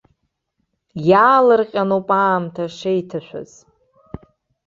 Иаалырҟьаноуп аамҭа шеиҭашәаз.